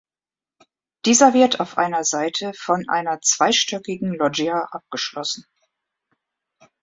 Dieser wird auf einer Seite von einer zweistöckigen Loggia abgeschlossen.